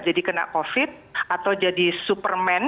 kena covid atau jadi superman